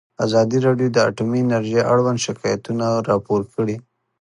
ازادي راډیو د اټومي انرژي اړوند شکایتونه راپور کړي.